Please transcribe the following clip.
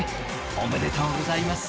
おめでとうございます。